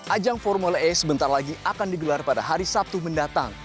ajang formula e sebentar lagi akan digelar pada hari sabtu mendatang